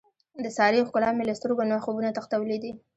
د سارې ښکلا مې له سترګو نه خوبونه تښتولي دي.